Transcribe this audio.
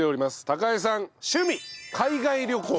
貴惠さん趣味海外旅行。